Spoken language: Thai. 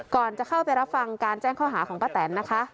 ก่อนจะเข้าไปรับฟังการแจ้งข้อหาของป้าแตนนะคะ